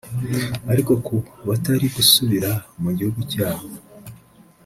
ariko ko batari gusubira mu gihugu cyabo